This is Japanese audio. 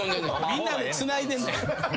みんなでつないでんねん。